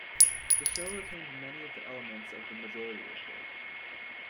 The show retained many of the elements of "The Majority Report".